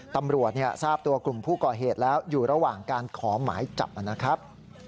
ตำรวจทราบตัวกลุ่มผู้ก่อเหตุแล้วอยู่ระหว่างการขอหมายจับนะครับ